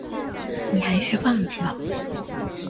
你还是放弃吧